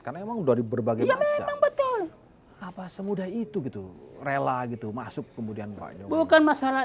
karena emang dari berbagai betul apa semudah itu gitu rela gitu masuk kemudian banyak bukan masalah